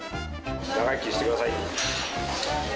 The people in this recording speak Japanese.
長生きしてください。